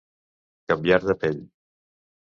Canviar de pell.